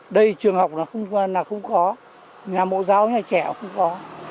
đây trường học là không có nhà mộ giáo nhà trẻ cũng không có